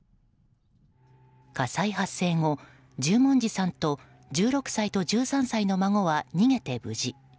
火災発生後、十文字さんと１６歳と１３歳の孫は逃げて無事。